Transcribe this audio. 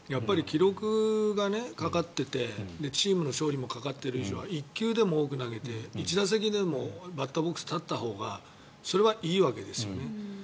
記録がかかっていてチームの勝利もかかっている以上１球でも多く投げて１打席でもバッターボックスに立ったほうがそれはいいわけですよね。